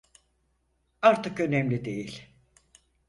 Artık önemli değil.